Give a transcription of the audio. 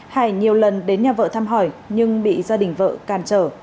hải nhiều lần đến nhà vợ thăm hỏi nhưng bị gia đình vợ càn trở